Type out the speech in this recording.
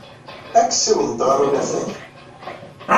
Ad k-ssiwḍent ɣer unafag.